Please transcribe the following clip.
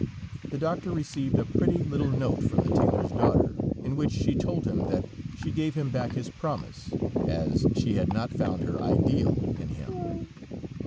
The doctor received a pretty little note from the tailor's daughter, in which she told him that she gave him back his promise, as she had not found her ideal in him.